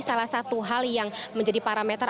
salah satu hal yang menjadi parameter